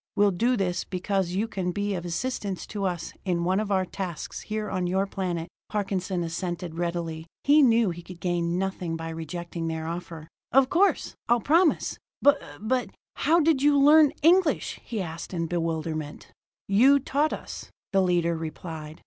We'll do this because you can be of assistance to us in one of our tasks here on your planet." Parkinson assented readily; he knew he could gain nothing by rejecting their offer. "Of course I'll promise. But but, how did you learn English?" he asked in bewilderment. "You taught us," the leader replied.